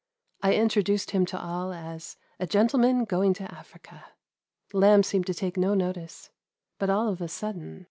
I introduced him to all as *' a gentleman going to Af riea." liamb iieemed tp take nQ notice ; but all of a nidden 1817.